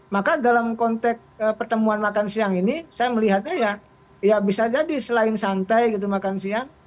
maka dalam konteks pertemuan makan siang ini saya melihatnya ya bisa jadi selain santai gitu makan siang